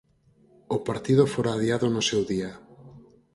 O partido fora adiado no seu día.